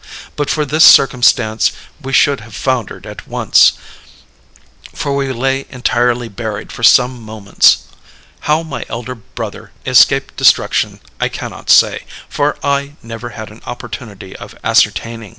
But for this circumstance we should have foundered at once; for we lay entirely buried for some moments. How my elder brother escaped destruction I cannot say, for I never had an opportunity of ascertaining.